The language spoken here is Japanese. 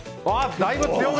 だいぶ強め！